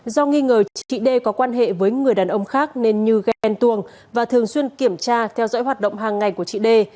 do nghi ngờ chị d có quan hệ với người đàn ông khác nên như ghen tuồng và thường xuyên kiểm tra theo dõi hoạt động hàng ngày của chị d